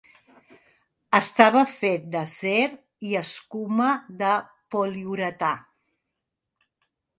Estava fet d'acer i escuma de poliuretà.